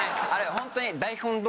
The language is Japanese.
ホントに。